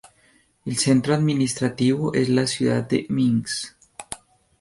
El centro administrativo es la ciudad de Minsk.